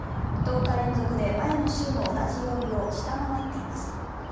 １０日連続で前の週の同じ曜日を下回っています。